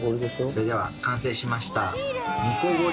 それでは完成しました。